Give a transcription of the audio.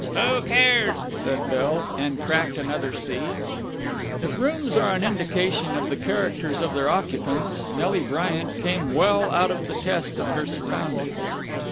"Who cares?" said Bill, and cracked another seed. If rooms are an indication of the characters of their occupants, Nelly Bryant came well out of the test of her surroundings.